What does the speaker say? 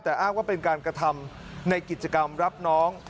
แต่อ้างว่าเป็นการกระทำในกิจกรรมรับน้อง